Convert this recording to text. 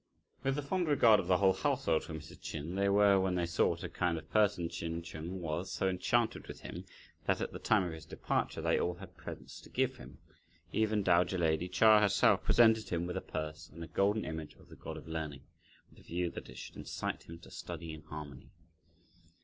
With the fond regard of the whole household for Mrs. Ch'in, they were, when they saw what a kind of person Ch'in Chung was, so enchanted with him, that at the time of his departure, they all had presents to give him; even dowager lady Chia herself presented him with a purse and a golden image of the God of Learning, with a view that it should incite him to study and harmony.